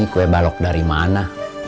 kue balok dari mana